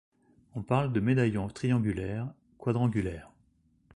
On parle de médaillon triangulaire, quadrangulaire.